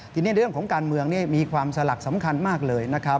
ทีนี้เรื่องของการเมืองมีความสลักสำคัญมากเลยนะครับ